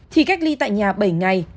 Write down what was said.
thì cách ly tại nhà bảy ngày